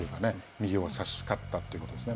右を差し、勝ったということですね。